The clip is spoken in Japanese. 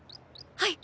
はい！